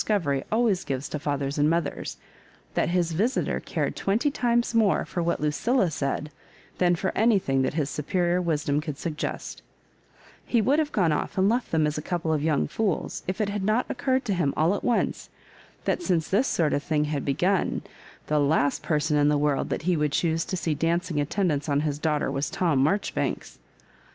covery" always gives to fathers and mothers, that his visitor cared twenty times more for what Lucilla said than for anything that his superior wisdom could suggest He would have gone off and left them as a couple of young fools, if it had not occurred to him all at once, that sinee this sort of thing had begun, the last person in the world that he would choose to see dancing attendance on his daughter was Tom Marjori banks.